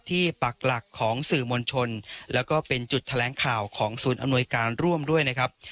ปักหลักของสื่อมวลชนแล้วก็เป็นจุดแถลงข่าวของศูนย์อำนวยการร่วมด้วยนะครับ